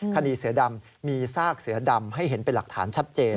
คดีเสือดำมีซากเสือดำให้เห็นเป็นหลักฐานชัดเจน